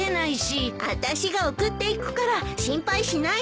あたしが送っていくから心配しないで。